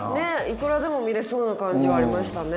いくらでも見れそうな感じはありましたね。